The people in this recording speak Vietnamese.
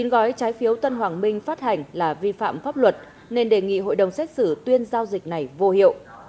gói trái phiếu tân hoàng minh phát hành là vi phạm pháp luật nên đề nghị hội đồng xét xử tuyên giao dịch này vô hiệu